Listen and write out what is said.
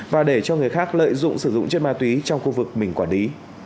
và để cho người khác lợi dụng sử dụng chất ma túy trong khu vực mình quản lý